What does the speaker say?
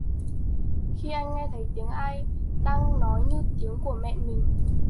Khi anh nghe thấy tiếng ai đang nói như tiếng của mẹ mình